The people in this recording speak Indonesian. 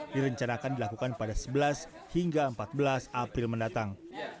direncanakan dilakukan pada sebelas hingga empat belas april mendatang